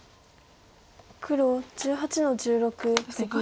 黒１８の十六ツギ。